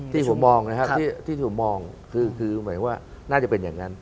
ที่ผมมองคือน่าจะเป็นอย่างนั้น